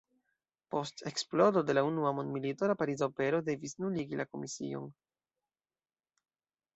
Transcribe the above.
Post eksplodo de la unua mondmilito la Pariza Opero devis nuligi la komision.